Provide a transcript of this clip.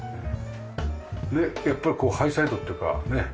やっぱりこうハイサイドっていうかね